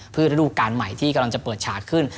เพื่อระดูการใหม่ที่กำลังจะเปิดฉากขึ้น